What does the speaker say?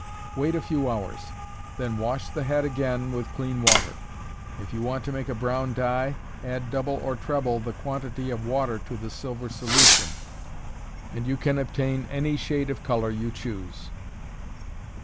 Wait a few hours; then wash the head again with clean water. If you want to make a brown dye, add double or treble the quantity of water to the silver solution, and you can obtain any shade of color you choose.